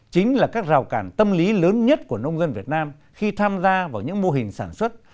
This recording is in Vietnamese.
chính là các rào cản tâm lý lớn nhất của nông dân việt nam khi tham gia vào những mô hình sản xuất